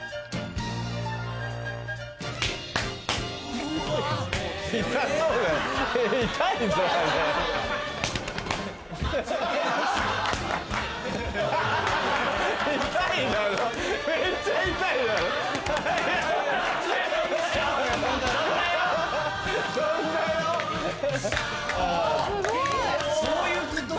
すごい！どういうこと？